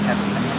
dan kita harus